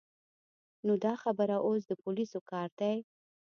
نو دا خبره اوس د پولیسو کار دی.